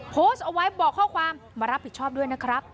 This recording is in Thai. โพสต์เอาไว้บอกข้อความมารับผิดชอบด้วยนะครับ